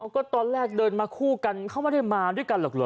ก็ตอนแรกเดินมาคู่กันเขาไม่ได้มาด้วยกันหรอกเหรอ